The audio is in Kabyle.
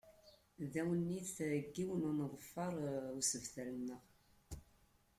D awennit n yiwen uneḍfar usebter-nneɣ.